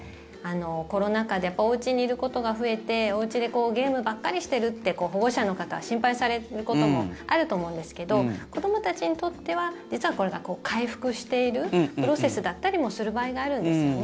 コロナ禍でおうちにいることが増えておうちでゲームばっかりしてるって保護者の方、心配されることもあると思うんですけど子どもたちにとっては実は、これが回復しているプロセスだったりもする場合があるんですよね。